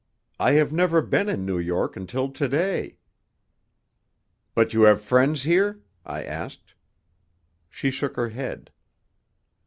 "I have never been in New York until to day." "But you have friends here?" I asked. She shook her head.